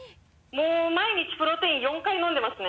もう毎日プロテイン４回飲んでますね。